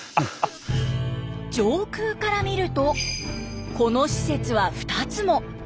上空から見るとこの施設は２つも。